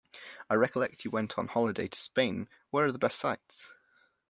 I recollect you went on holiday to Spain, where are the best sights?